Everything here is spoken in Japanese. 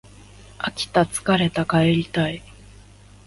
飽きた疲れた帰りたい